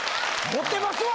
持ってますわ！